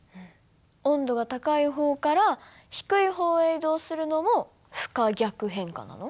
温度が高い方から低い方へ移動するのも不可逆変化なの？